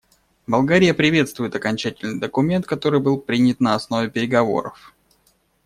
Болгария приветствует окончательный документ, который был принят на основе переговоров.